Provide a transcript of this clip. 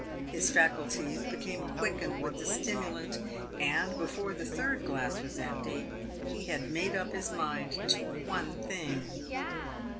His faculties became quickened with the stimulant, and, before the third glass was empty, he had "made up his mind" to one thing.